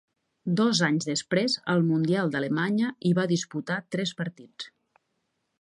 Dos anys després, al Mundial d'Alemanya, hi va disputar tres partits.